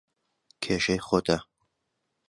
کێشەی خۆتە.